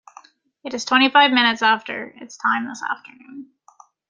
It is twenty-five minutes after its time this afternoon.